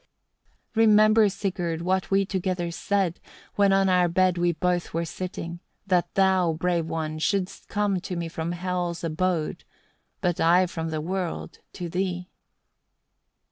19. "Remember, Sigurd! what we together said, when on our bed we both were sitting, that thou, brave one, wouldst come to me from Hel's abode, but I from the world to thee.